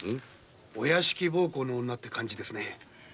お屋敷奉公の女って感じですね。